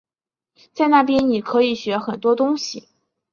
在那边你可以学很多东西